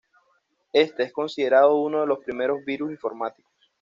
Este es considerado uno de los primeros virus informáticos.